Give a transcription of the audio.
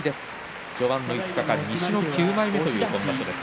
序盤の５日間西の９枚目という今場所です。